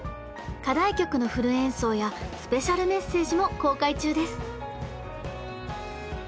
課題曲のフル演奏やスペシャルメッセージも公開中です！